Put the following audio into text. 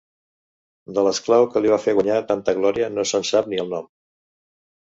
De l'esclau que li va fer guanyar tanta glòria no se'n sap ni el nom.